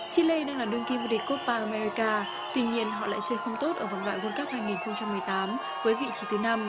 chile đang là đương kim vô địch copareka tuy nhiên họ lại chơi không tốt ở vòng loại world cup hai nghìn một mươi tám với vị trí thứ năm